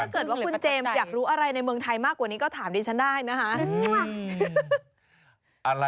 ถ้าเกิดว่าคุณเจมส์อยากรู้อะไรในเมืองไทยมากกว่านี้ก็ถามดิฉันได้นะคะ